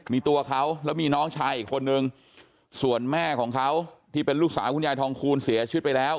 มีตัวเขาแล้วมีน้องชายอีกคนนึงส่วนแม่ของเขาที่เป็นลูกสาวคุณยายทองคูณเสียชีวิตไปแล้ว